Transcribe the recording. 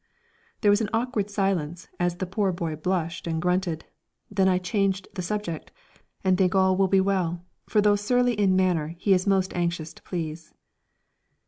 There was an awkward silence, as the poor boy blushed and grunted. Then I changed the subject, and think all will be well, for though surly in manner he is most anxious to please.